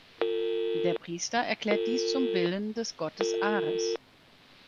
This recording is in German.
Der Priester erklärt dies zum Willen des Gottes Ares.